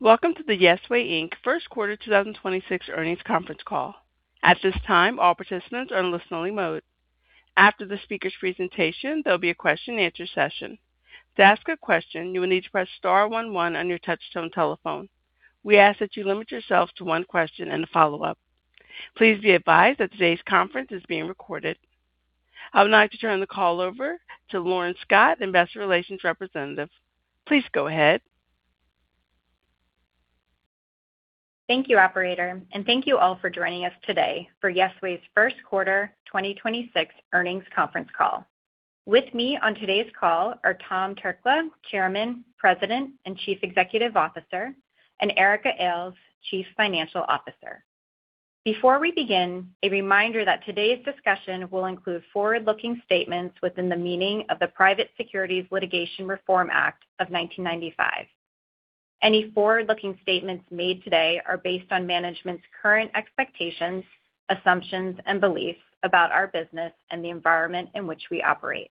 Welcome to the Yesway, Inc first quarter 2026 earnings conference call. At this time, all participants are in listen-only mode. After the speaker's presentation, there'll be a question-and-answer session. To ask a question, you will need to press star one one on your touchtone telephone. We ask that you limit yourself to one question and a follow-up. Please be advised that today's conference is being recorded. I would now like to turn the call over to Lauren Scott, Investor Relations Representative. Please go ahead. Thank you, operator, and thank you all for joining us today for Yesway's first quarter 2026 earnings conference call. With me on today's call are Tom Trkla, Chairman, President, and Chief Executive Officer, and Ericka Ayles, Chief Financial Officer. Before we begin, a reminder that today's discussion will include forward-looking statements within the meaning of the Private Securities Litigation Reform Act of 1995. Any forward-looking statements made today are based on management's current expectations, assumptions, and beliefs about our business and the environment in which we operate.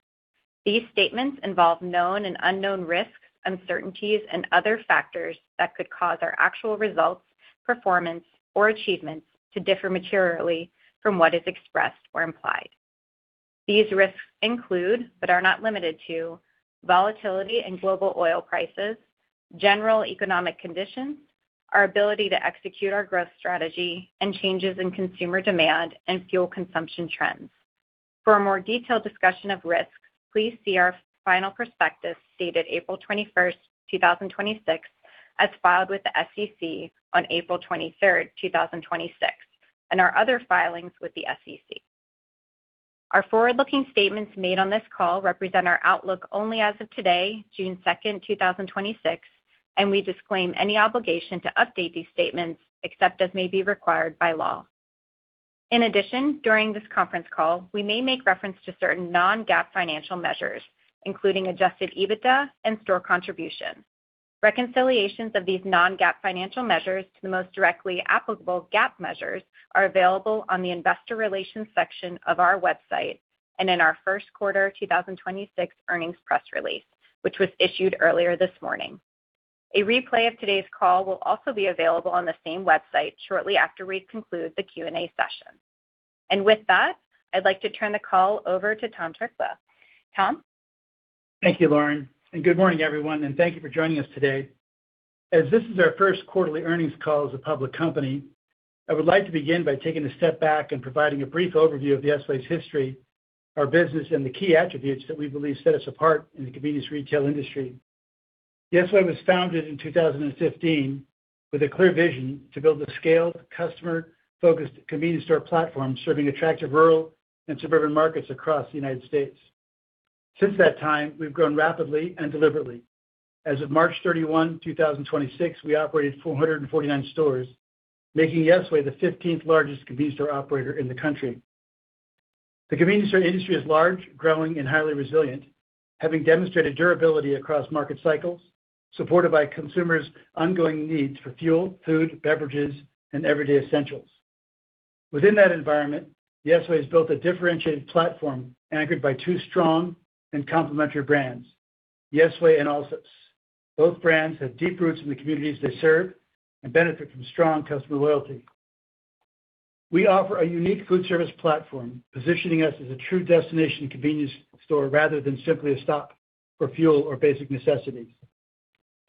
These statements involve known and unknown risks, uncertainties, and other factors that could cause our actual results, performance, or achievements to differ materially from what is expressed or implied. These risks include, but are not limited to, volatility in global oil prices, general economic conditions, our ability to execute our growth strategy, and changes in consumer demand and fuel consumption trends. For a more detailed discussion of risks, please see our final prospectus dated April 21st, 2026, as filed with the SEC on April 23rd, 2026, and our other filings with the SEC. Our forward-looking statements made on this call represent our outlook only as of today, June 2nd, 2026, and we disclaim any obligation to update these statements except as may be required by law. In addition, during this conference call, we may make reference to certain non-GAAP financial measures, including adjusted EBITDA and store contribution. Reconciliations of these non-GAAP financial measures to the most directly applicable GAAP measures are available on the investor relations section of our website and in our first quarter 2026 earnings press release, which was issued earlier this morning. A replay of today's call will also be available on the same website shortly after we conclude the Q&A session. With that, I'd like to turn the call over to Tom Trkla. Tom? Thank you, Lauren, and good morning, everyone, and thank you for joining us today. As this is our first quarterly earnings call as a public company, I would like to begin by taking a step back and providing a brief overview of Yesway's history, our business, and the key attributes that we believe set us apart in the convenience retail industry. Yesway was founded in 2015 with a clear vision to build a scaled, customer-focused convenience store platform serving attractive rural and suburban markets across the United States. Since that time, we've grown rapidly and deliberately. As of March 31, 2026, we operated 449 stores, making Yesway the 15th largest convenience store operator in the country. The convenience store industry is large, growing, and highly resilient, having demonstrated durability across market cycles, supported by consumers' ongoing needs for fuel, food, beverages, and everyday essentials. Within that environment, Yesway has built a differentiated platform anchored by two strong and complementary brands, Yesway and Allsup's. Both brands have deep roots in the communities they serve and benefit from strong customer loyalty. We offer a unique food service platform, positioning us as a true destination convenience store rather than simply a stop for fuel or basic necessities.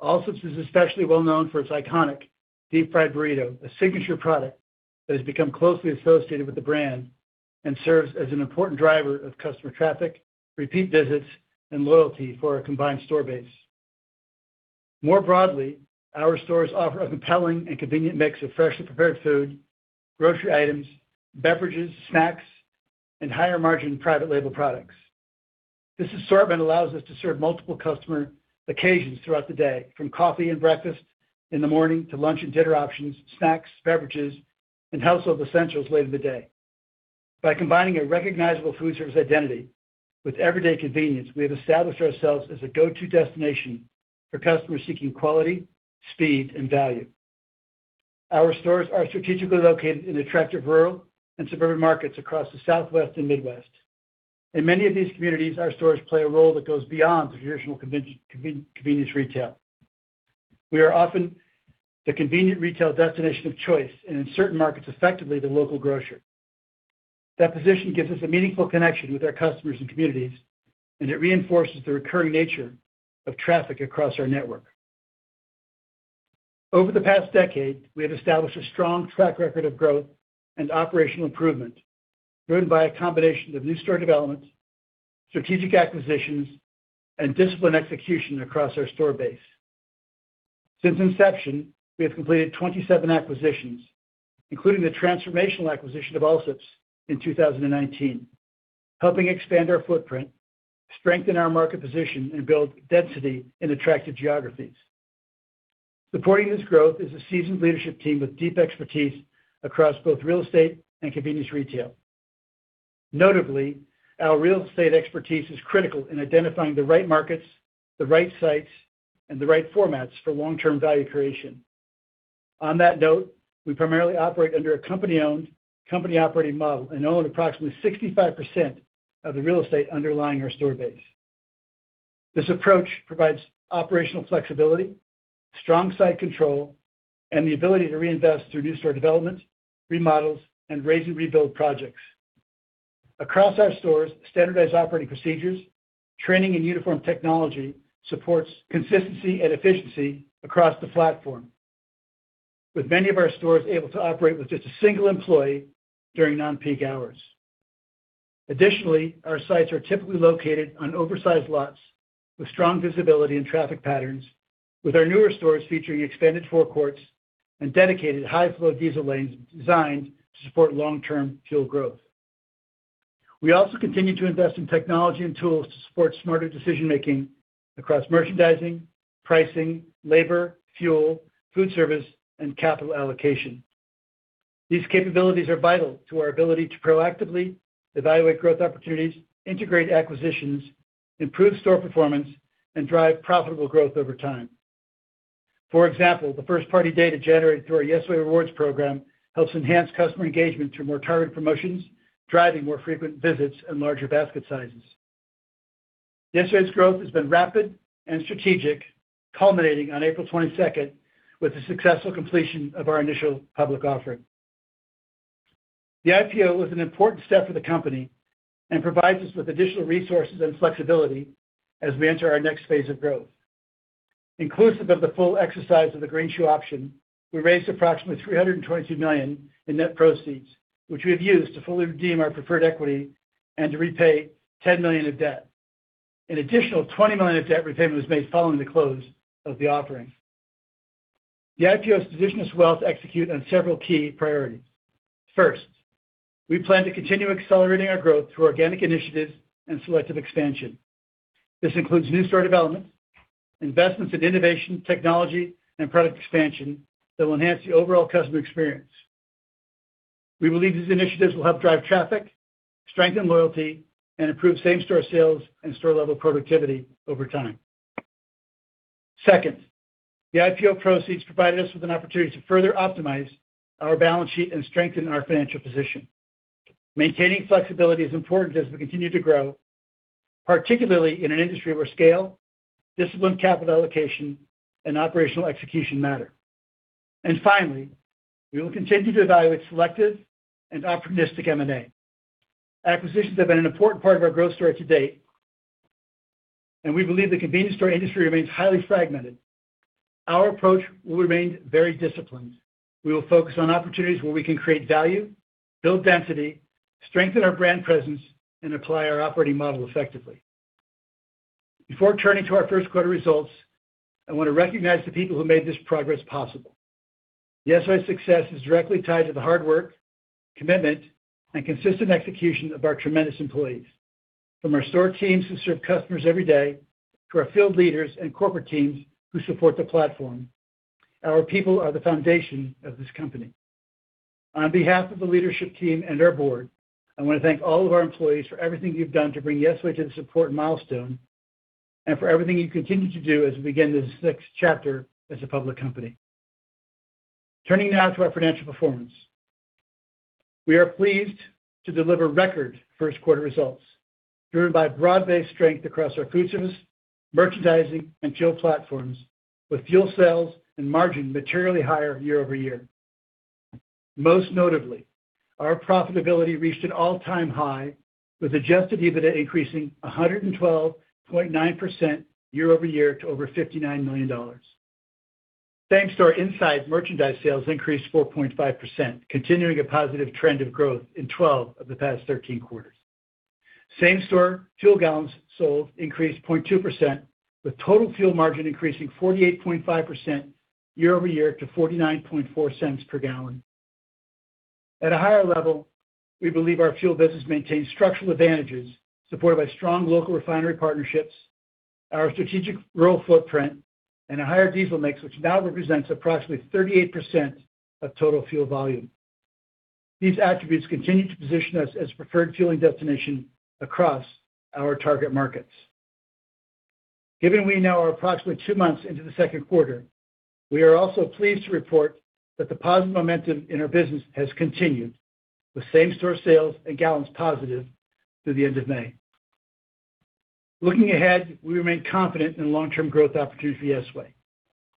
Allsup's is especially well known for its iconic deep-fried burrito, a signature product that has become closely associated with the brand and serves as an important driver of customer traffic, repeat visits, and loyalty for our combined store base. More broadly, our stores offer a compelling and convenient mix of freshly prepared food, grocery items, beverages, snacks, and higher-margin private label products. This assortment allows us to serve multiple customer occasions throughout the day, from coffee and breakfast in the morning to lunch and dinner options, snacks, beverages, and household essentials later in the day. By combining a recognizable food service identity with everyday convenience, we have established ourselves as a go-to destination for customers seeking quality, speed, and value. Our stores are strategically located in attractive rural and suburban markets across the Southwest and Midwest. In many of these communities, our stores play a role that goes beyond the traditional convenience retail. We are often the convenient retail destination of choice and, in certain markets, effectively the local grocer. That position gives us a meaningful connection with our customers and communities, and it reinforces the recurring nature of traffic across our network. Over the past decade, we have established a strong track record of growth and operational improvement driven by a combination of new store developments, strategic acquisitions, and disciplined execution across our store base. Since inception, we have completed 27 acquisitions, including the transformational acquisition of Allsup's in 2019, helping expand our footprint, strengthen our market position, and build density in attractive geographies. Supporting this growth is a seasoned leadership team with deep expertise across both real estate and convenience retail. Notably, our real estate expertise is critical in identifying the right markets, the right sites, and the right formats for long-term value creation. On that note, we primarily operate under a company-owned, company-operating model and own approximately 65% of the real estate underlying our store base. This approach provides operational flexibility, strong site control, and the ability to reinvest through new store development, remodels, and raze and rebuild projects. Across our stores, standardized operating procedures, training and uniform technology supports consistency and efficiency across the platform, with many of our stores able to operate with just a single employee during non-peak hours. Additionally, our sites are typically located on oversized lots with strong visibility and traffic patterns, with our newer stores featuring expanded forecourts and dedicated high-flow diesel lanes designed to support long-term fuel growth. We also continue to invest in technology and tools to support smarter decision-making across merchandising, pricing, labor, fuel, food service, and capital allocation. These capabilities are vital to our ability to proactively evaluate growth opportunities, integrate acquisitions, improve store performance, and drive profitable growth over time. For example, the first-party data generated through our Yesway Rewards program helps enhance customer engagement through more targeted promotions, driving more frequent visits and larger basket sizes. Yesway's growth has been rapid and strategic, culminating on April 22nd with the successful completion of our initial public offering. The IPO was an important step for the company and provides us with additional resources and flexibility as we enter our next phase of growth. Inclusive of the full exercise of the greenshoe option, we raised approximately $322 million in net proceeds, which we have used to fully redeem our preferred equity and to repay $10 million of debt. An additional $20 million of debt repayment was made following the close of the offering. The IPO has positioned us well to execute on several key priorities. First, we plan to continue accelerating our growth through organic initiatives and selective expansion. This includes new store development, investments in innovation, technology, and product expansion that will enhance the overall customer experience. We believe these initiatives will help drive traffic, strengthen loyalty, and improve same-store sales and store-level productivity over time. Second, the IPO proceeds provided us with an opportunity to further optimize our balance sheet and strengthen our financial position. Maintaining flexibility is important as we continue to grow, particularly in an industry where scale, disciplined capital allocation, and operational execution matter. Finally, we will continue to evaluate selective and opportunistic M&A. Acquisitions have been an important part of our growth story to date, and we believe the convenience store industry remains highly fragmented. Our approach will remain very disciplined. We will focus on opportunities where we can create value, build density, strengthen our brand presence, and apply our operating model effectively. Before turning to our first quarter results, I want to recognize the people who made this progress possible. Yesway's success is directly tied to the hard work, commitment, and consistent execution of our tremendous employees. From our store teams who serve customers every day to our field leaders and corporate teams who support the platform, our people are the foundation of this company. On behalf of the leadership team and our board, I want to thank all of our employees for everything you've done to bring Yesway to this important milestone, and for everything you continue to do as we begin this next chapter as a public company. Turning now to our financial performance. We are pleased to deliver record first quarter results, driven by broad-based strength across our food service, merchandising, and fuel platforms, with fuel sales and margin materially higher year-over-year. Most notably, our profitability reached an all-time high, with adjusted EBITDA increasing 112.9% year-over-year to over $59 million. Same-store inside merchandise sales increased 4.5%, continuing a positive trend of growth in 12 of the past 13 quarters. Same-store fuel gallons sold increased 0.2%, with total fuel margin increasing 48.5% year-over-year to $0.494 per gallon. At a higher level, we believe our fuel business maintains structural advantages, supported by strong local refinery partnerships, our strategic rural footprint, and a higher diesel mix, which now represents approximately 38% of total fuel volume. These attributes continue to position us as a preferred fueling destination across our target markets. Given we now are approximately two months into the second quarter, we are also pleased to report that the positive momentum in our business has continued, with same-store sales and gallons positive through the end of May. Looking ahead, we remain confident in the long-term growth opportunity at Yesway.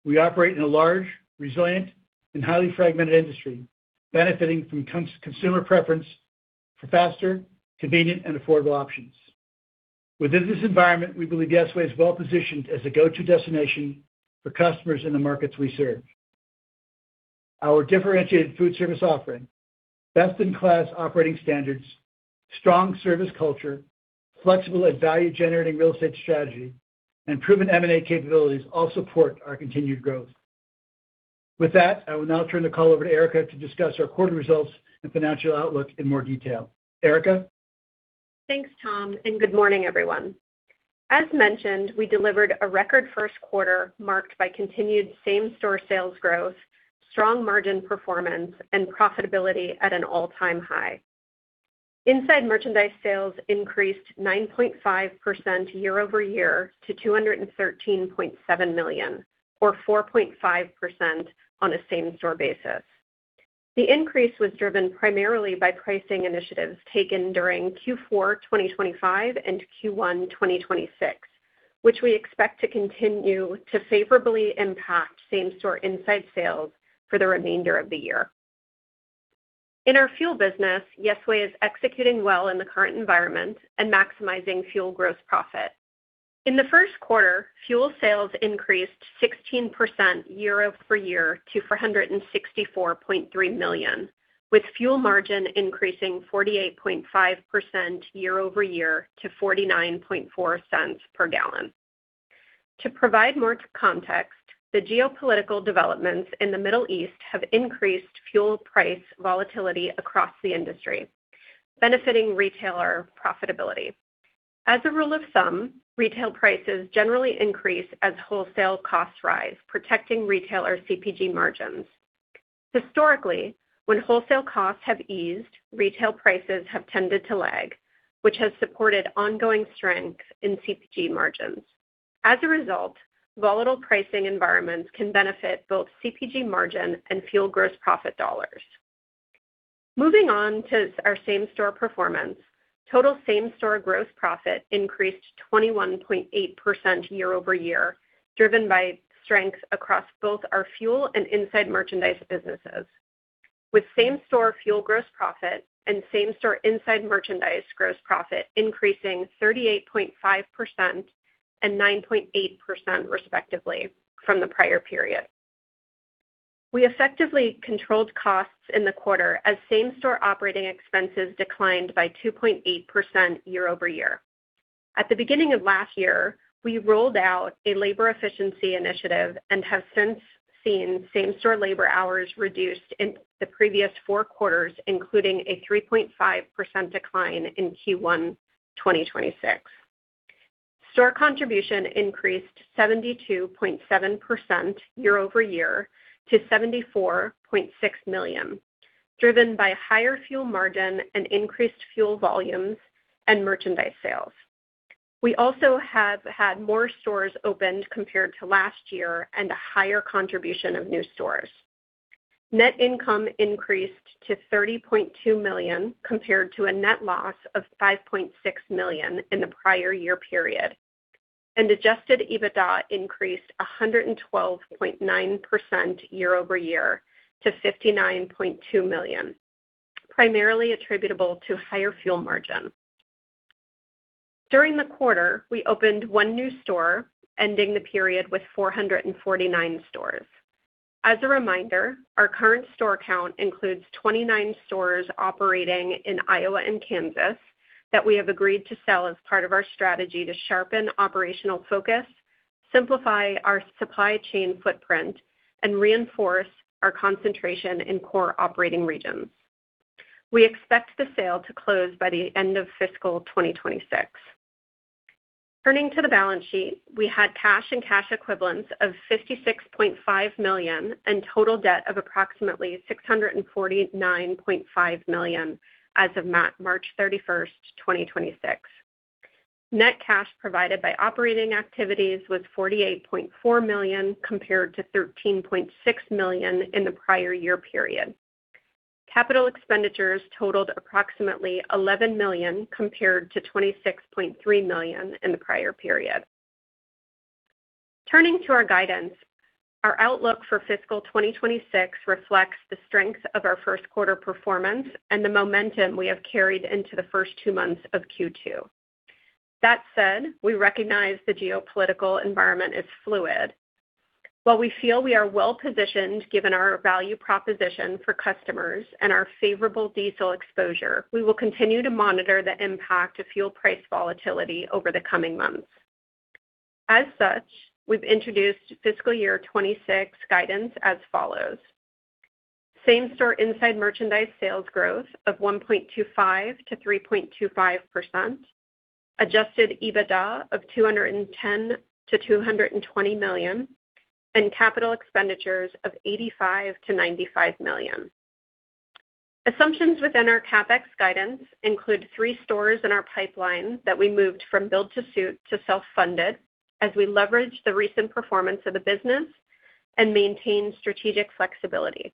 We operate in a large, resilient, and highly fragmented industry, benefiting from consumer preference for faster, convenient, and affordable options. Within this environment, we believe Yesway is well-positioned as a go-to destination for customers in the markets we serve. Our differentiated food service offering, best-in-class operating standards, strong service culture, flexible and value-generating real estate strategy, and proven M&A capabilities all support our continued growth. With that, I will now turn the call over to Ericka to discuss our quarter results and financial outlook in more detail. Ericka? Thanks, Tom. Good morning, everyone. As mentioned, we delivered a record first quarter marked by continued same-store sales growth, strong margin performance, and profitability at an all-time high. Inside merchandise sales increased 9.5% year-over-year to $213.7 million, or 4.5% on a same-store basis. The increase was driven primarily by pricing initiatives taken during Q4 2025 and Q1 2026, which we expect to continue to favorably impact same-store inside sales for the remainder of the year. In our fuel business, Yesway is executing well in the current environment and maximizing fuel gross profit. In the first quarter, fuel sales increased 16% year-over-year to $464.3 million, with fuel margin increasing 48.5% year-over-year to $0.494 per gallon. To provide more context, the geopolitical developments in the Middle East have increased fuel price volatility across the industry, benefiting retailer profitability. As a rule of thumb, retail prices generally increase as wholesale costs rise, protecting retailer CPG margins. Historically, when wholesale costs have eased, retail prices have tended to lag, which has supported ongoing strength in CPG margins. As a result, volatile pricing environments can benefit both CPG margin and fuel gross profit dollars. Moving on to our same-store performance. Total same-store gross profit increased 21.8% year-over-year, driven by strength across both our fuel and inside merchandise businesses, with same-store fuel gross profit and same-store inside merchandise gross profit increasing 38.5% and 9.8%, respectively, from the prior period. We effectively controlled costs in the quarter as same-store operating expenses declined by 2.8% year-over-year. At the beginning of last year, we rolled out a labor efficiency initiative and have since seen same-store labor hours reduced in the previous four quarters, including a 3.5% decline in Q1 2026. Store contribution increased 72.7% year-over-year to $74.6 million, driven by higher fuel margin and increased fuel volumes and merchandise sales. We also have had more stores opened compared to last year and a higher contribution of new stores. Net income increased to $30.2 million, compared to a net loss of $5.6 million in the prior year period. Adjusted EBITDA increased 112.9% year-over-year to $59.2 million, primarily attributable to higher fuel margin. During the quarter, we opened one new store, ending the period with 449 stores. As a reminder, our current store count includes 29 stores operating in Iowa and Kansas that we have agreed to sell as part of our strategy to sharpen operational focus, simplify our supply chain footprint, and reinforce our concentration in core operating regions. We expect the sale to close by the end of fiscal 2026. Turning to the balance sheet. We had cash and cash equivalents of $56.5 million and total debt of approximately $649.5 million as of March 31st, 2026. Net cash provided by operating activities was $48.4 million, compared to $13.6 million in the prior year period. Capital expenditures totaled approximately $11 million, compared to $26.3 million in the prior period. Turning to our guidance. Our outlook for fiscal 2026 reflects the strength of our first quarter performance and the momentum we have carried into the first two months of Q2. That said, we recognize the geopolitical environment is fluid. While we feel we are well-positioned given our value proposition for customers and our favorable diesel exposure, we will continue to monitor the impact of fuel price volatility over the coming months. As such, we've introduced fiscal year 2026 guidance as follows. Same-store inside merchandise sales growth of 1.25%-3.25%, adjusted EBITDA of $210 million-$220 million, capital expenditures of $85 million-$95 million. Assumptions within our CapEx guidance include three stores in our pipeline that we moved from build to suit to self-funded as we leverage the recent performance of the business and maintain strategic flexibility.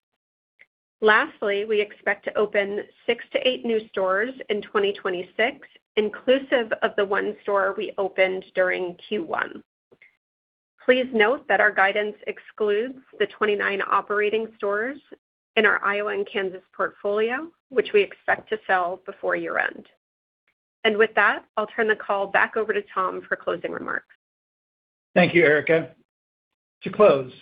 Lastly, we expect to open six to eight new stores in 2026, inclusive of the one store we opened during Q1. Please note that our guidance excludes the 29 operating stores in our Iowa and Kansas portfolio, which we expect to sell before year-end. With that, I'll turn the call back over to Tom for closing remarks. Thank you, Ericka. To close,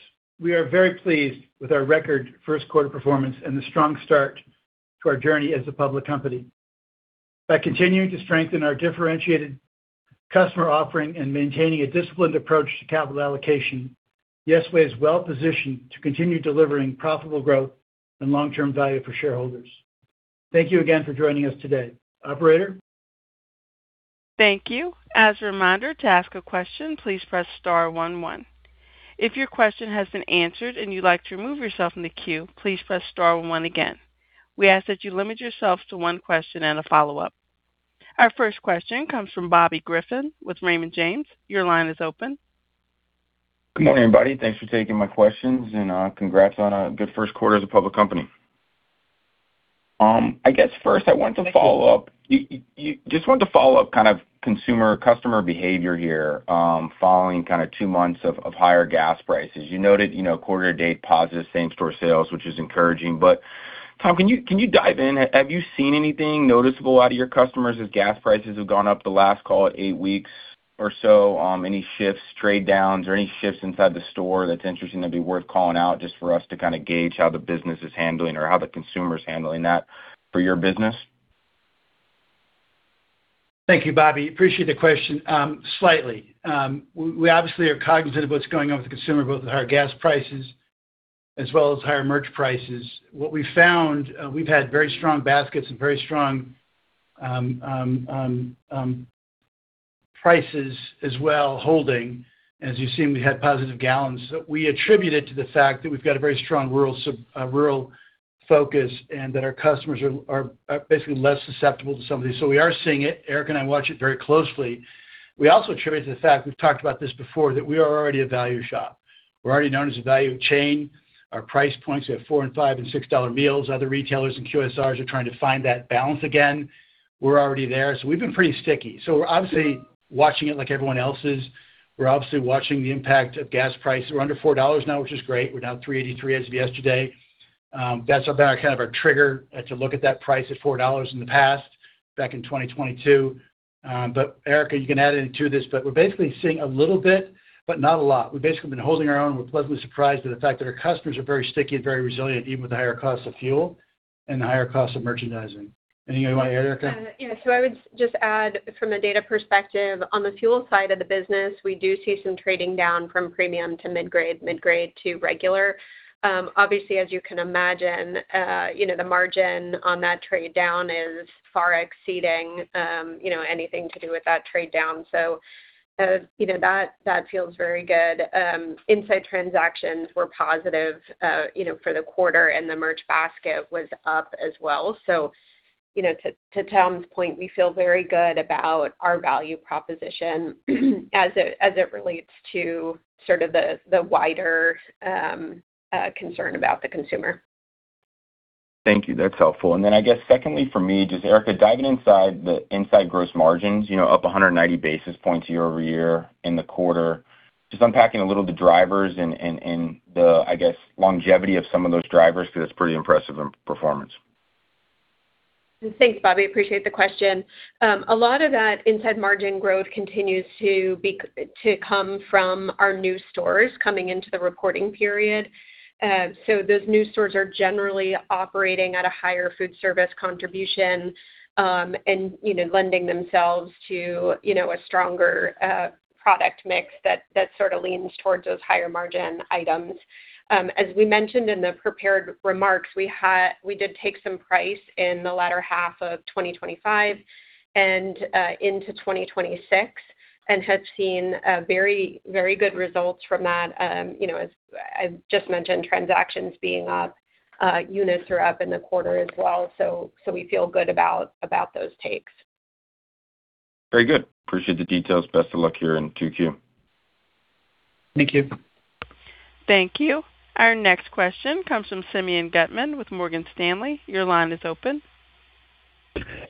we are very pleased with our record first quarter performance and the strong start to our journey as a public company. By continuing to strengthen our differentiated customer offering and maintaining a disciplined approach to capital allocation, Yesway is well positioned to continue delivering profitable growth and long-term value for shareholders. Thank you again for joining us today. Operator. Thank you. As a reminder, to ask a question, please press star one one. If your question has been answered and you'd like to remove yourself from the queue, please press star one again. We ask that you limit yourself to one question and a follow-up. Our first question comes from Bobby Griffin with Raymond James. Your line is open. Good morning, everybody. Thanks for taking my questions, and congrats on a good first quarter as a public company. I guess first I want to follow up. Just wanted to follow up consumer customer behavior here, following two months of higher gas prices. You noted quarter date positive same-store sales, which is encouraging, but Tom, can you dive in? Have you seen anything noticeable out of your customers as gas prices have gone up the last, call it eight weeks or so? Any shifts, trade downs, or any shifts inside the store that's interesting that'd be worth calling out just for us to gauge how the business is handling or how the consumer is handling that for your business? Thank you, Bobby. Appreciate the question. Slightly. We obviously are cognizant of what's going on with the consumer, both with higher gas prices as well as higher merch prices. What we've found, we've had very strong baskets and very strong prices as well, holding. As you've seen, we had positive gallons. We attribute it to the fact that we've got a very strong rural focus and that our customers are basically less susceptible to some of these. We are seeing it. Ericka and I watch it very closely. We also attribute it to the fact, we've talked about this before, that we are already a value shop. We're already known as a value chain. Our price points, we have $4 and $5 and $6 meals. Other retailers and QSRs are trying to find that balance again. We're already there. We've been pretty sticky. We're obviously watching it like everyone else is. We're obviously watching the impact of gas price. We're under $4 now, which is great. We're now $3.83 as of yesterday. That's kind of our trigger to look at that price of $4 in the past, back in 2022. Ericka, you can add into this, we're basically seeing a little bit, but not a lot. We've basically been holding our own. We're pleasantly surprised at the fact that our customers are very sticky and very resilient, even with the higher cost of fuel and the higher cost of merchandising. Anything you want to add, Ericka? Yeah, I would just add from a data perspective, on the fuel side of the business, we do see some trading down from premium to mid-grade, mid-grade to regular. Obviously, as you can imagine, the margin on that trade down is far exceeding anything to do with that trade down. That feels very good. Inside transactions were positive for the quarter, and the merch basket was up as well. To Tom's point, we feel very good about our value proposition as it relates to the wider concern about the consumer. Thank you. That's helpful. I guess secondly, for me, just Ericka, diving inside the gross margins, up 190 basis points year-over-year in the quarter. Just unpacking a little of the drivers and the, I guess, longevity of some of those drivers, because it's pretty impressive performance. Thanks, Bobby. Appreciate the question. A lot of that inside margin growth continues to come from our new stores coming into the reporting period. Those new stores are generally operating at a higher food service contribution, and lending themselves to a stronger product mix that sort of leans towards those higher margin items. As we mentioned in the prepared remarks, we did take some price in the latter half of 2025 and into 2026 and have seen very good results from that. As I just mentioned, transactions being up, units are up in the quarter as well, so we feel good about those takes. Very good. Appreciate the details. Best of luck here in 2Q. Thank you. Thank you. Our next question comes from Simeon Gutman with Morgan Stanley. Your line is open.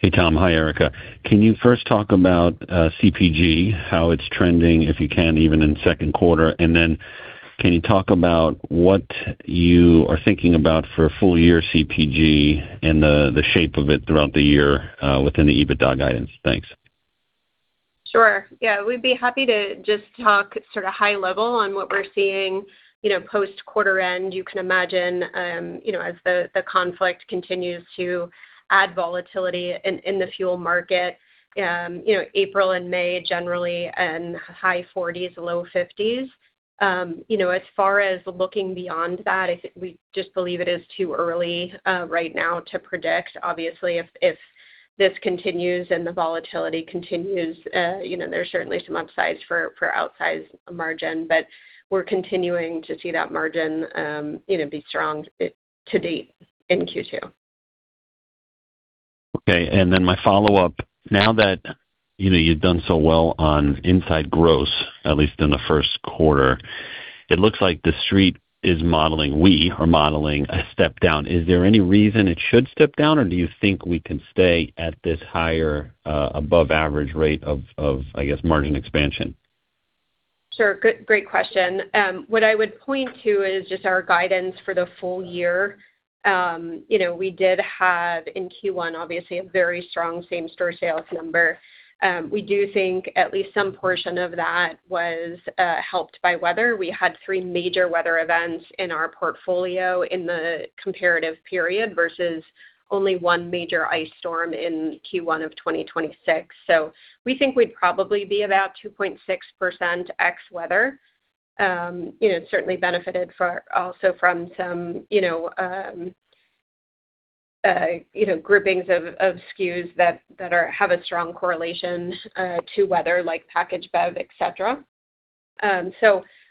Hey, Tom. Hi, Ericka. Can you first talk about CPG, how it's trending, if you can, even in second quarter? Then can you talk about what you are thinking about for full year CPG and the shape of it throughout the year within the EBITDA guidance? Thanks. Sure. Yeah, we'd be happy to just talk high level on what we're seeing post quarter end. You can imagine, as the conflict continues to add volatility in the fuel market, April and May generally high 40s%, low 50s%. As far as looking beyond that, I think we just believe it is too early right now to predict. Obviously, if this continues and the volatility continues, there's certainly some upsides for outsized margin. We're continuing to see that margin be strong to date in Q2. Okay. My follow-up, now that you've done so well on inside gross, at least in the first quarter, it looks like the Street is modeling, we are modeling a step down. Is there any reason it should step down, or do you think we can stay at this higher above average rate of, I guess, margin expansion? Sure. Great question. What I would point to is just our guidance for the full year. We did have in Q1, obviously, a very strong same store sales number. We do think at least some portion of that was helped by weather. We had three major weather events in our portfolio in the comparative period versus only one major ice storm in Q1 of 2026. We think we'd probably be about 2.6% ex weather. Certainly benefited also from some groupings of SKUs that have a strong correlation to weather, like packaged beverages, et cetera.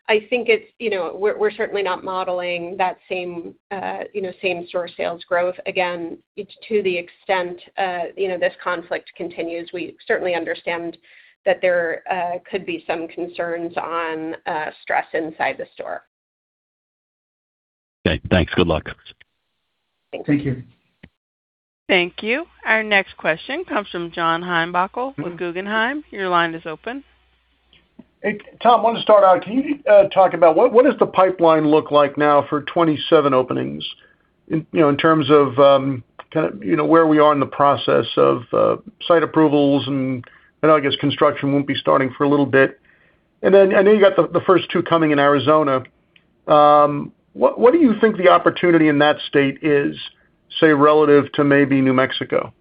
I think we're certainly not modeling that same store sales growth. Again, to the extent this conflict continues, we certainly understand that there could be some concerns on stress inside the store. Okay, thanks. Good luck. Thank you. Thank you. Our next question comes from John Heinbockel with Guggenheim. Your line is open. Hey, Tom, I want to start out, can you talk about what does the pipeline look like now for 2027 openings in terms of where we are in the process of site approvals and I guess construction won't be starting for a little bit? I know you got the first two coming in Arizona. What do you think the opportunity in that state is, say, relative to maybe New Mexico?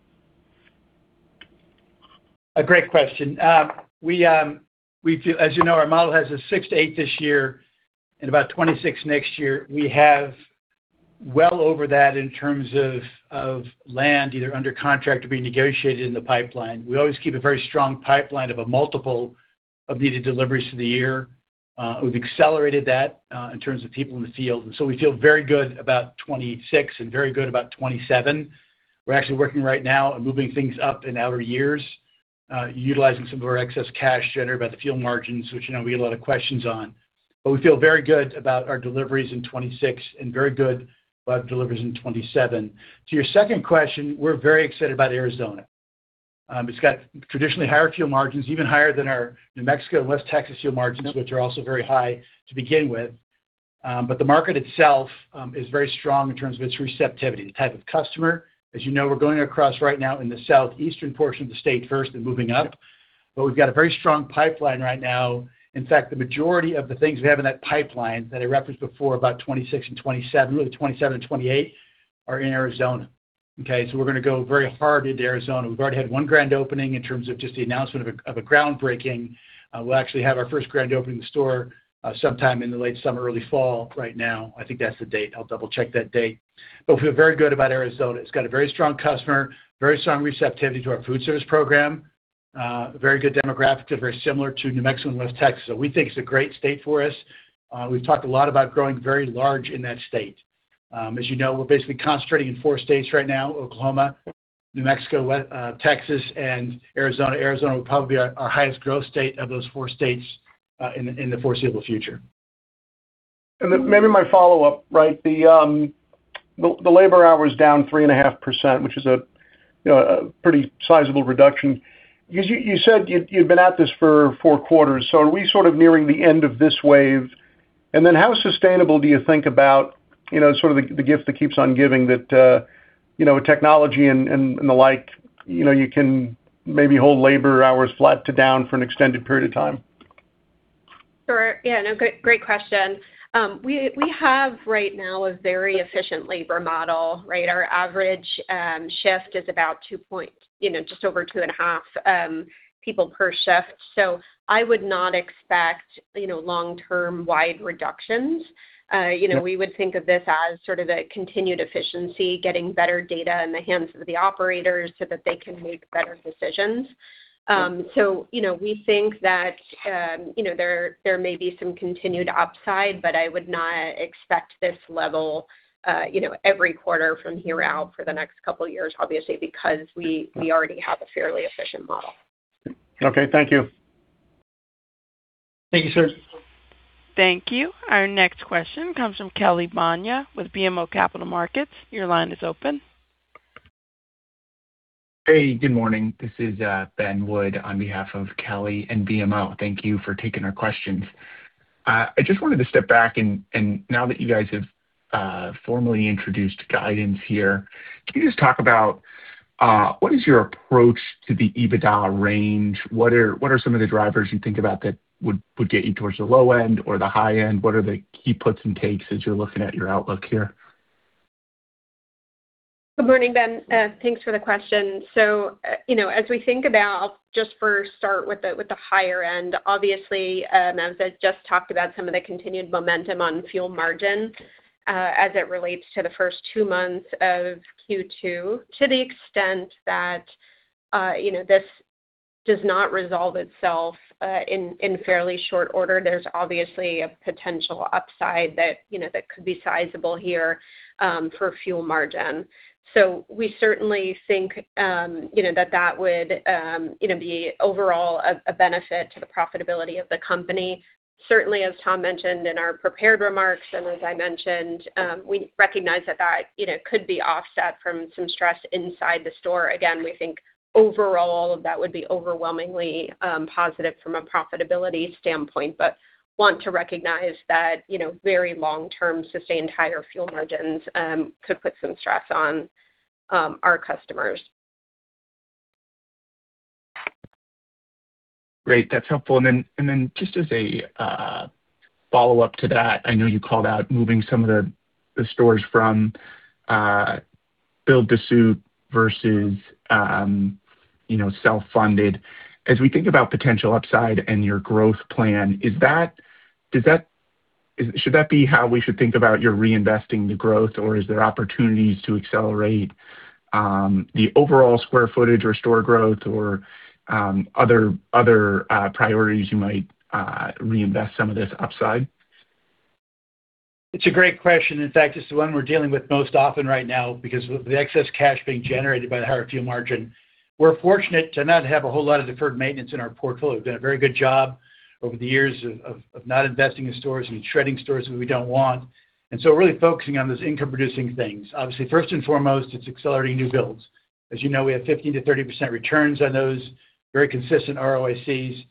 A great question. As you know, our model has a 6-8 this year and about 2026 next year. We have well over that in terms of land either under contract or being negotiated in the pipeline. We always keep a very strong pipeline of a multiple of needed deliveries for the year. We've accelerated that in terms of people in the field, we feel very good about 2026 and very good about 2027. We're actually working right now on moving things up in outer years, utilizing some of our excess cash generated by the fuel margins, which we get a lot of questions on. We feel very good about our deliveries in 2026 and very good about deliveries in 2027. To your second question, we're very excited about Arizona. It's got traditionally higher fuel margins, even higher than our New Mexico and West Texas fuel margins, which are also very high to begin with. The market itself is very strong in terms of its receptivity, the type of customer. As you know, we're going across right now in the southeastern portion of the state first and moving up. We've got a very strong pipeline right now. In fact, the majority of the things we have in that pipeline that I referenced before, about 2026 and 2027, really 2027 and 2028, are in Arizona. Okay. We're going to go very hard into Arizona. We've already had one grand opening in terms of just the announcement of a groundbreaking. We'll actually have our first grand opening store sometime in the late summer, early fall right now. I think that's the date. I'll double check that date. We feel very good about Arizona. It's got a very strong customer, very strong receptivity to our food service program, very good demographics are very similar to New Mexico and West Texas. We think it's a great state for us. We've talked a lot about growing very large in that state. As you know, we're basically concentrating in four states right now, Oklahoma, New Mexico, Texas, and Arizona. Arizona will probably be our highest growth state of those four states in the foreseeable future. Maybe my follow-up, right? The labor hour is down 3.5%, which is a pretty sizable reduction. You said you've been at this for four quarters. Are we sort of nearing the end of this wave? How sustainable do you think about sort of the gift that keeps on giving, that with technology and the like, you can maybe hold labor hours flat to down for an extended period of time? Sure. Yeah, no, great question. We have right now a very efficient labor model, right? Our average shift is about just over two and a half people per shift. I would not expect long-term wide reductions. We would think of this as sort of a continued efficiency, getting better data in the hands of the operators so that they can make better decisions. We think that there may be some continued upside, but I would not expect this level every quarter from here out for the next couple of years, obviously, because we already have a fairly efficient model. Okay, thank you. Thank you, sir. Thank you. Our next question comes from Kelly Bania with BMO Capital Markets. Your line is open. Hey, good morning. This is Ben Wood on behalf of Kelly and BMO. Thank you for taking our questions. I just wanted to step back and, now that you guys have formally introduced guidance here, can you just talk about what is your approach to the EBITDA range? What are some of the drivers you think about that would get you towards the low end or the high end? What are the key puts and takes as you're looking at your outlook here? Good morning, Ben. Thanks for the question. As we think about, just for start with the higher end, obviously, [Tom] just talked about some of the continued momentum on fuel margin as it relates to the first two months of Q2. To the extent that this does not resolve itself in fairly short order, there's obviously a potential upside that could be sizable here for fuel margin. We certainly think that would be overall a benefit to the profitability of the company. Certainly, as Tom mentioned in our prepared remarks, and as I mentioned, we recognize that that could be offset from some stress inside the store. Again, we think overall that would be overwhelmingly positive from a profitability standpoint, but want to recognize that very long-term sustained higher fuel margins could put some stress on our customers. Great. That's helpful. Just as a follow-up to that, I know you called out moving some of the stores from build-to-suit versus self-funded. As we think about potential upside and your growth plan, should that be how we should think about your reinvesting the growth? Is there opportunities to accelerate the overall square footage or store growth or other priorities you might reinvest some of this upside? It's a great question. In fact, it's the one we're dealing with most often right now because of the excess cash being generated by the higher fuel margin. We're fortunate to not have a whole lot of deferred maintenance in our portfolio. We've done a very good job over the years of not investing in stores and shredding stores that we don't want. We're really focusing on those income-producing things. Obviously, first and foremost, it's accelerating new builds. As you know, we have 15%-30% returns on those, very consistent ROICs.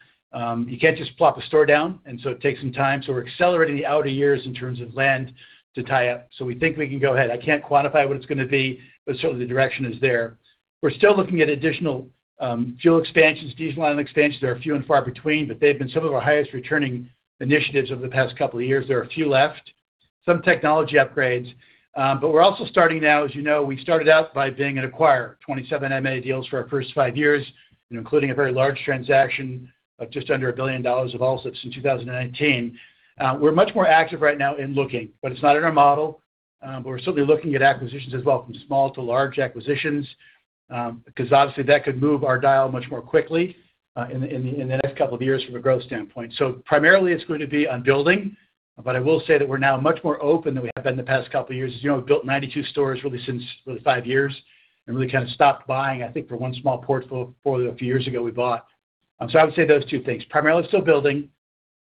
You can't just plop a store down, it takes some time. We're accelerating the outer years in terms of land to tie up. We think we can go ahead. I can't quantify what it's going to be, but certainly the direction is there. We're still looking at additional fuel expansions, diesel island expansions that are few and far between, but they've been some of our highest returning initiatives over the past couple of years. There are a few left, some technology upgrades. We're also starting now, as you know, we started out by being an acquirer, 27 M&A deals for our first five years, including a very large transaction of just under $1 billion of Allsup's since 2019. We're much more active right now in looking, but it's not in our model. We're certainly looking at acquisitions as well, from small to large acquisitions, because obviously that could move our dial much more quickly in the next couple of years from a growth standpoint. Primarily it's going to be on building, but I will say that we're now much more open than we have been the past couple of years. As you know, we've built 92 stores really since the five years and really kind of stopped buying, I think, for one small portfolio a few years ago, we bought. I would say those two things, primarily still building,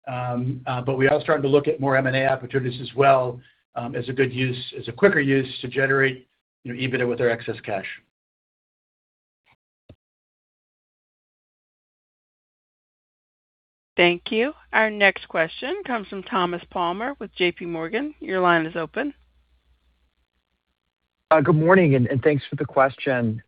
but we are starting to look at more M&A opportunities as well as a quicker use to generate EBITDA with our excess cash. Thank you. Our next question comes from Thomas Palmer with JPMorgan. Your line is open. Good morning, thanks for the question.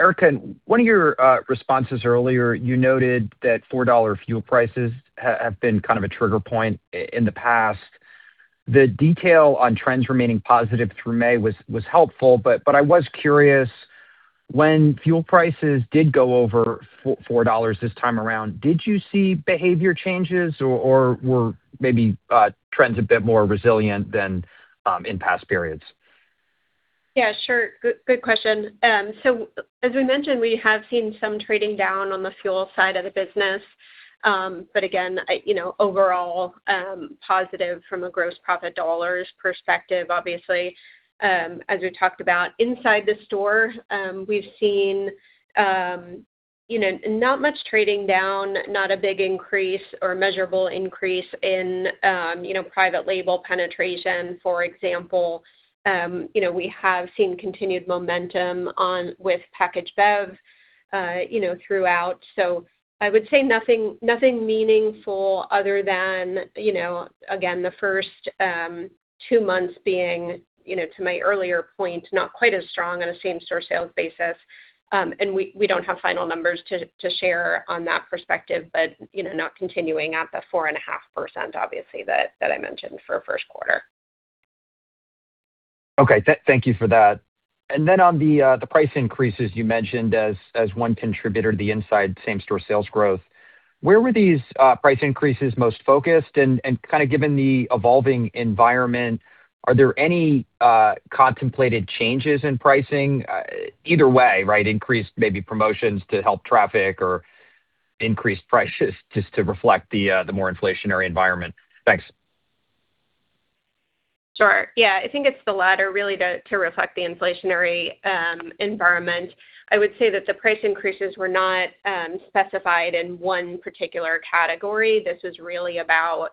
Ericka, one of your responses earlier, you noted that $4 fuel prices have been kind of a trigger point in the past. The detail on trends remaining positive through May was helpful. I was curious, when fuel prices did go over $4 this time around, did you see behavior changes or were maybe trends a bit more resilient than in past periods? Yeah, sure. Good question. As we mentioned, we have seen some trading down on the fuel side of the business. Again, overall, positive from a gross profit dollars perspective, obviously. As we talked about inside the store, we've seen not much trading down, not a big increase or a measurable increase in private label penetration, for example. We have seen continued momentum on with packaged beverages throughout. I would say nothing meaningful other than, again, the first two months being, to my earlier point, not quite as strong on a same-store sales basis. We don't have final numbers to share on that perspective, but not continuing at the 4.5%, obviously, that I mentioned for first quarter. Okay. Thank you for that. On the price increases you mentioned as one contributor to the inside same-store sales growth, where were these price increases most focused? Kind of given the evolving environment, are there any contemplated changes in pricing either way, right? Increased maybe promotions to help traffic or increased prices just to reflect the more inflationary environment? Thanks. Sure. Yeah, I think it's the latter, really, to reflect the inflationary environment. I would say that the price increases were not specified in one particular category. This is really about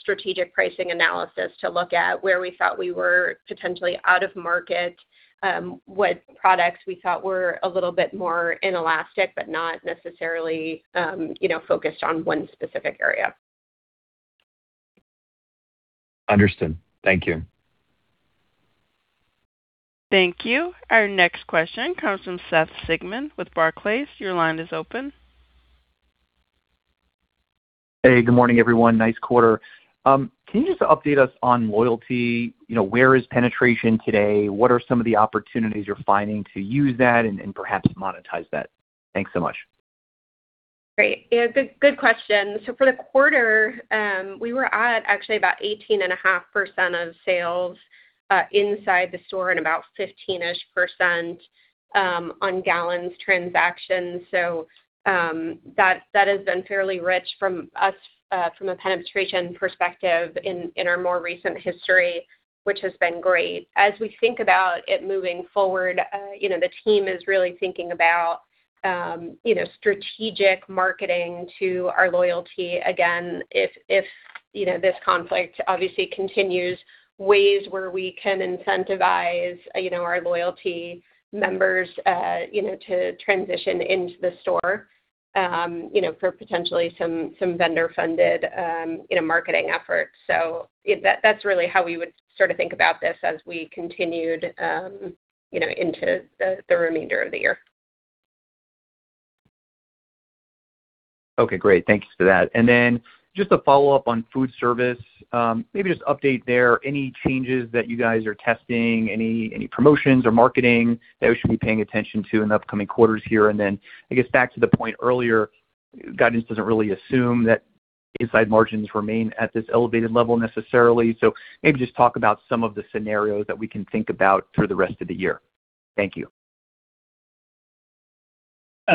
strategic pricing analysis to look at where we thought we were potentially out of market, what products we thought were a little bit more inelastic, but not necessarily focused on one specific area. Understood. Thank you. Thank you. Our next question comes from Seth Sigman with Barclays. Your line is open. Hey, good morning, everyone. Nice quarter. Can you just update us on loyalty? Where is penetration today? What are some of the opportunities you're finding to use that and perhaps monetize that? Thanks so much. Great. Yeah, good question. For the quarter, we were at actually about 18.5% of sales inside the store and about 15-ish% on gallons transactions. That has been fairly rich from a penetration perspective in our more recent history, which has been great. As we think about it moving forward, the team is really thinking about strategic marketing to our loyalty. Again, if this conflict obviously continues, ways where we can incentivize our loyalty members to transition into the store for potentially some vendor-funded marketing efforts. That's really how we would sort of think about this as we continued into the remainder of the year. Okay, great. Thanks for that. Then just a follow-up on food service. Maybe just update there any changes that you guys are testing, any promotions or marketing that we should be paying attention to in the upcoming quarters here? Then I guess back to the point earlier, guidance doesn't really assume that Inside margins remain at this elevated level necessarily. Maybe just talk about some of the scenarios that we can think about through the rest of the year. Thank you.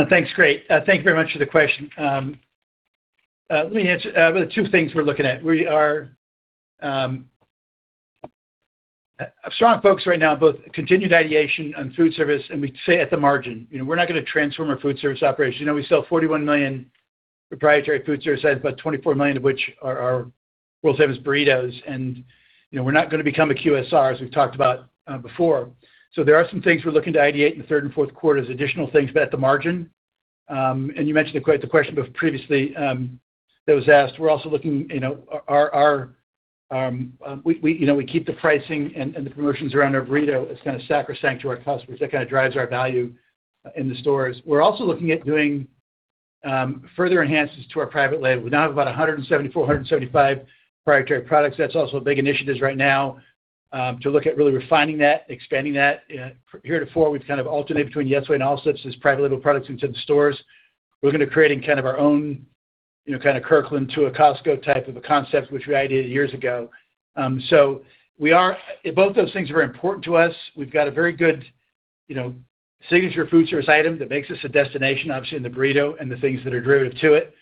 Thanks. Great. Thank you very much for the question. Let me answer. There are two things we're looking at. We are strong folks right now in both continued ideation and food service, and we say at the margin. We're not going to transform our food service operation. We sell $41 million proprietary food service items, but $24 million of which are our world-famous burritos. We're not going to become a QSR, as we've talked about before. There are some things we're looking to ideate in the third and fourth quarters, additional things, but at the margin. You mentioned the question previously that was asked. We keep the pricing and the promotions around our burrito as kind of sacrosanct to our customers. That kind of drives our value in the stores. We're also looking at doing further enhancements to our private label. We now have about 174, 175 proprietary products. That's also a big initiative right now to look at really refining that, expanding that. Heretofore, we've kind of alternated between Yesway and Allsup's as private label products into the stores. We're looking at creating kind of our own kind of Kirkland to a Costco type of a concept, which we ideated years ago. Both those things are very important to us. We've got a very good signature food service item that makes us a destination, obviously in the burrito and the things that are derivative to it.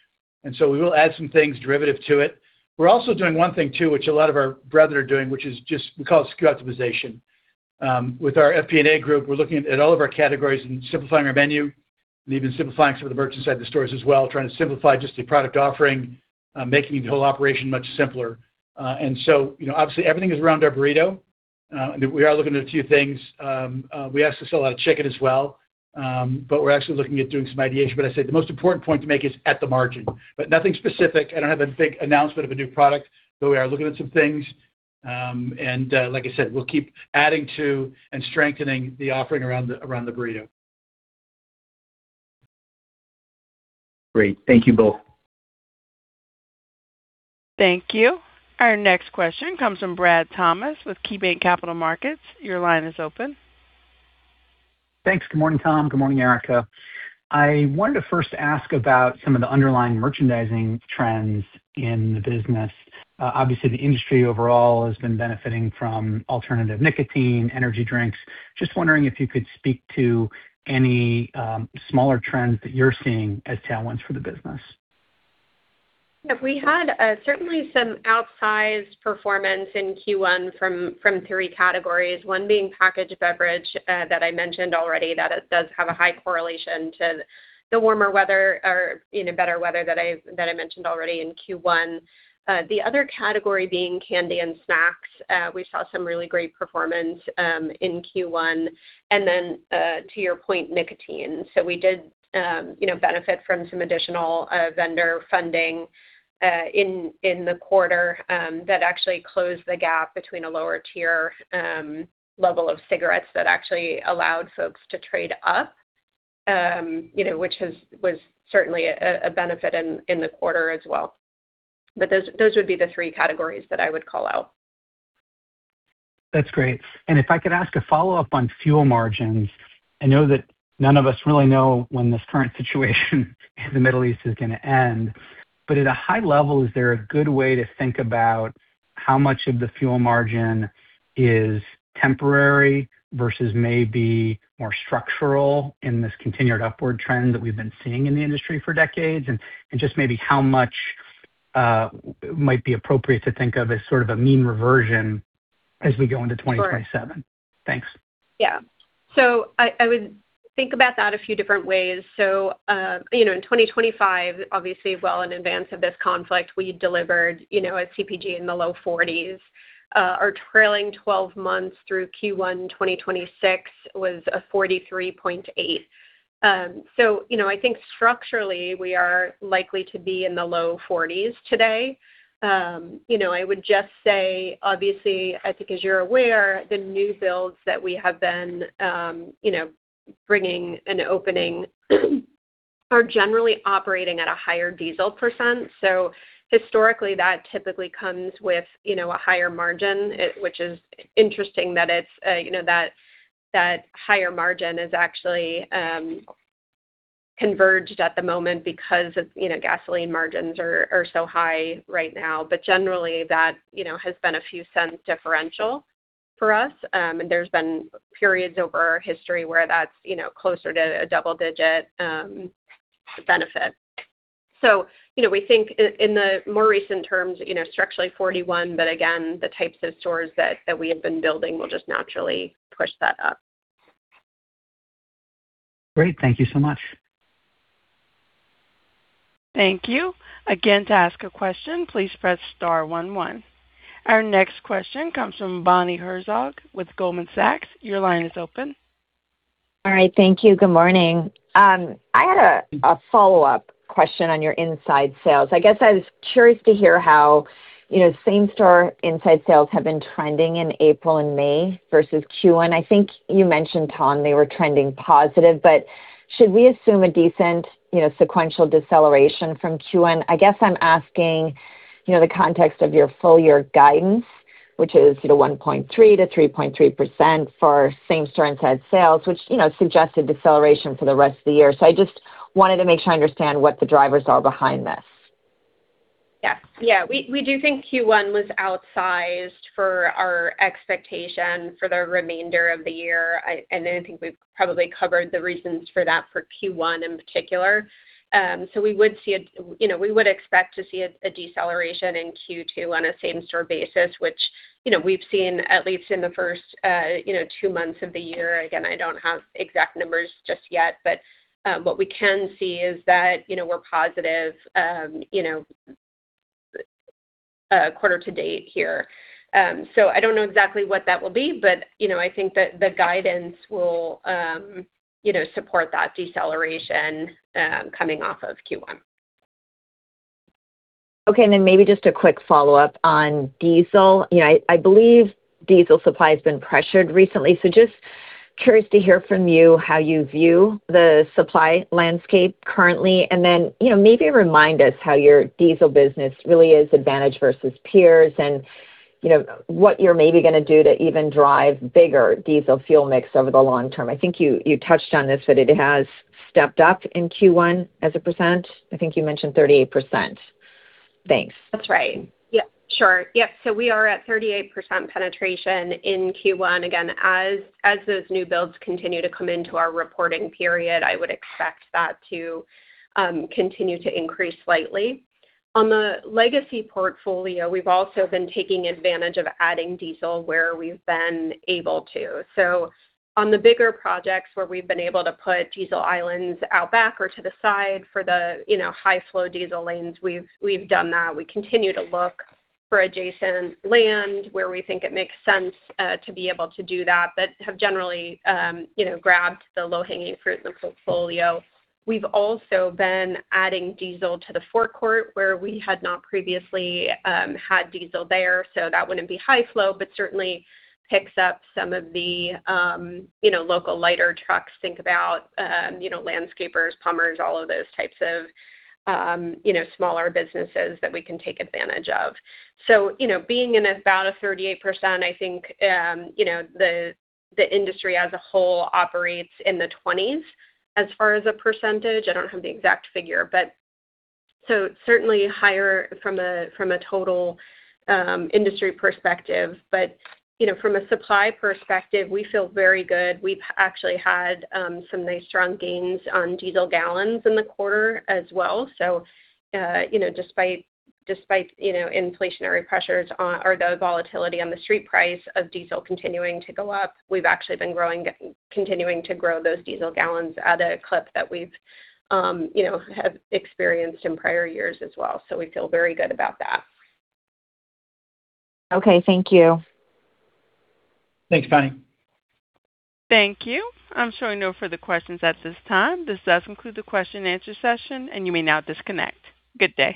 We will add some things derivative to it. We're also doing one thing, too, which a lot of our brother are doing, which is just we call it SKU optimization. With our FP&A group, we're looking at all of our categories and simplifying our menu and even simplifying some of the merchants side of the stores as well, trying to simplify just the product offering, making the whole operation much simpler. Obviously everything is around our burrito. We are looking at a few things. We also sell a lot of chicken as well. We're actually looking at doing some ideation. I said the most important point to make is at the margin. Nothing specific. I don't have a big announcement of a new product, but we are looking at some things. Like I said, we'll keep adding to and strengthening the offering around the burrito. Great. Thank you both. Thank you. Our next question comes from Brad Thomas with KeyBanc Capital Markets. Your line is open. Thanks. Good morning, Tom. Good morning, Ericka. I wanted to first ask about some of the underlying merchandising trends in the business. Obviously, the industry overall has been benefiting from alternative nicotine, energy drinks. Just wondering if you could speak to any smaller trends that you're seeing as tailwinds for the business. Yeah. We had certainly some outsized performance in Q1 from three categories, one being packaged beverages that I mentioned already, that it does have a high correlation to the warmer weather or better weather that I mentioned already in Q1. The other category being candy and snacks. We saw some really great performance in Q1, and then, to your point, nicotine. We did benefit from some additional vendor funding in the quarter that actually closed the gap between a lower tier level of cigarettes that actually allowed folks to trade up, which was certainly a benefit in the quarter as well. Those would be the three categories that I would call out. That's great. If I could ask a follow-up on fuel margins. I know that none of us really know when this current situation in the Middle East is going to end. At a high level, is there a good way to think about how much of the fuel margin is temporary versus maybe more structural in this continued upward trend that we've been seeing in the industry for decades? Just maybe how much might be appropriate to think of as sort of a mean reversion as we go into 2027? Sure. Thanks. Yeah. I would think about that a few different ways. In 2025, obviously well in advance of this conflict, we delivered a CPG in the low 40s. Our trailing 12 months through Q1 2026 was a 43.8. I think structurally, we are likely to be in the low 40s today. I would just say, obviously, I think as you're aware, the new builds that we have been bringing and opening are generally operating at a higher diesel percent. Historically, that typically comes with a higher margin, which is interesting that higher margin is actually converged at the moment because gasoline margins are so high right now. Generally, that has been a few cents differential for us. There's been periods over our history where that's closer to a double-digit benefit. We think in the more recent terms, structurally 41, but again, the types of stores that we have been building will just naturally push that up. Great. Thank you so much. Thank you. Again, to ask a question, please press star one one. Our next question comes from Bonnie Herzog with Goldman Sachs. Your line is open. All right. Thank you. Good morning. I had a follow-up question on your inside sales. I guess I was curious to hear how same store inside sales have been trending in April and May versus Q1. I think you mentioned, Tom, they were trending positive. Should we assume a decent sequential deceleration from Q1? I guess I'm asking the context of your full year guidance, which is 1.3%-3.3% for same-store inside sales, which suggested deceleration for the rest of the year. I just wanted to make sure I understand what the drivers are behind this. Yes. We do think Q1 was outsized for our expectation for the remainder of the year. I think we've probably covered the reasons for that for Q1 in particular. We would expect to see a deceleration in Q2 on a same-store basis, which we've seen at least in the first two months of the year. Again, I don't have exact numbers just yet, but what we can see is that we're positive quarter to date here. I don't know exactly what that will be, but I think that the guidance will support that deceleration coming off of Q1. Okay, maybe just a quick follow-up on diesel. I believe diesel supply has been pressured recently, just curious to hear from you how you view the supply landscape currently, maybe remind us how your diesel business really is advantaged versus peers and what you're maybe going to do to even drive bigger diesel fuel mix over the long term. I think you touched on this, that it has stepped up in Q1 as a percent. I think you mentioned 38%. Thanks. That's right. Sure. We are at 38% penetration in Q1. Again, as those new builds continue to come into our reporting period, I would expect that to continue to increase slightly. On the legacy portfolio, we've also been taking advantage of adding diesel where we've been able to. On the bigger projects where we've been able to put diesel islands out back or to the side for the high flow diesel lanes, we've done that. We continue to look for adjacent land where we think it makes sense to be able to do that, but have generally grabbed the low-hanging fruit in the portfolio. We've also been adding diesel to the forecourt where we had not previously had diesel there, so that wouldn't be high flow, but certainly picks up some of the local lighter trucks. Think about landscapers, plumbers, all of those types of smaller businesses that we can take advantage of. Being in about a 38%, I think, the industry as a whole operates in the 20s as far as a percentage. I don't have the exact figure. Certainly higher from a total industry perspective. From a supply perspective, we feel very good. We've actually had some nice strong gains on diesel gallons in the quarter as well. Despite inflationary pressures or the volatility on the street price of diesel continuing to go up, we've actually been continuing to grow those diesel gallons at a clip that we've experienced in prior years as well. We feel very good about that. Okay. Thank you. Thanks, Bonnie. Thank you. I'm showing no further questions at this time. This does conclude the question and answer session, and you may now disconnect. Good day.